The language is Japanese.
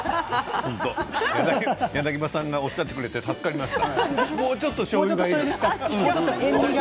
柳葉さんがおっしゃってくれて助かりました。